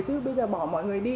chứ bây giờ bỏ mọi người đi